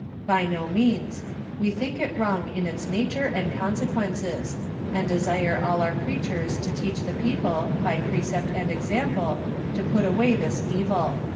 By no means ; we think it wrong in its nature and consequences ; and desire all our preachers to teach the people, by precept and example, to put away this evil."